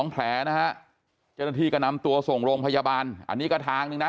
๒แผลนะฮะจริงก็นำตัวส่งโรงพยาบาลอันนี้ก็ทางนึงนะ